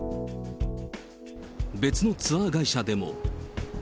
別のツアー会社でも。